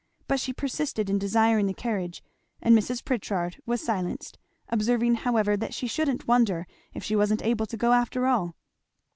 But she persisted in desiring the carriage; and Mrs. Pritchard was silenced, observing however that she shouldn't wonder if she wasn't able to go after all.